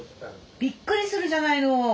びっくりするじゃないの！